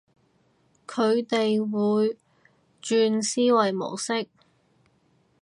佢哋會轉思考模式